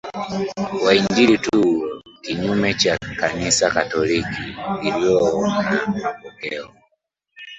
wa Injili tu kinyume cha Kanisa Katoliki lililoona mapokeo